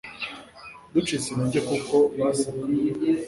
ducitse intege kuko basaga